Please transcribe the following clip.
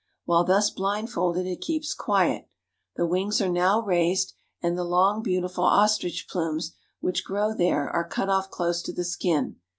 While thus blindfolded it keeps quiet. The wings are now raised, and the long, beautiful ostrich plumes, which grow there, are cut off close to the skin.